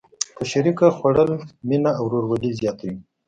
په شریکه خوړل مینه او ورورولي زیاتوي.